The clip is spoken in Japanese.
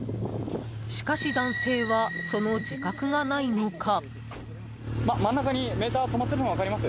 しかし、男性はその自覚がないのか。